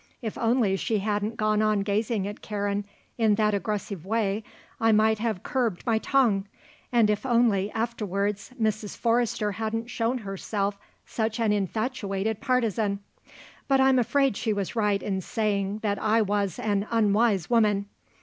"If only she hadn't gone on gazing at Karen in that aggressive way I might have curbed my tongue, and if only, afterwards, Mrs. Forrester hadn't shown herself such an infatuated partisan. But I'm afraid she was right in saying that I was an unwise woman.